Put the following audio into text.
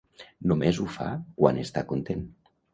Només ho fa quan està content.